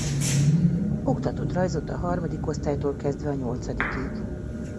Oktatott rajzot a harmadik osztálytól kezdve a nyolcadikig.